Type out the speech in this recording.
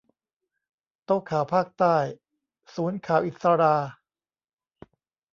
โต๊ะข่าวภาคใต้ ศูนย์ข่าวอิศรา